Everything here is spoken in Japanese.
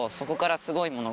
すごいもの？